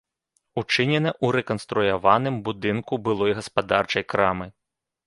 Учынена ў рэканструяваным будынку былой гаспадарчай крамы.